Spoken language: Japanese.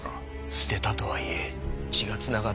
捨てたとはいえ血が繋がった娘だ。